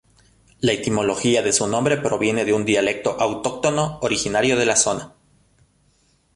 La etimología de su nombre proviene de un dialecto autóctono originario de la zona.